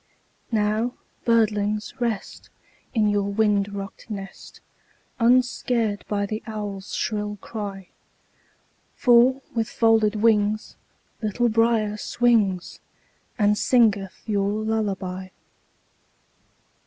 Now, birdlings, rest, In your wind rocked nest, Unscared by the owl's shrill cry; For with folded wings Little Brier swings, And singeth your lullaby.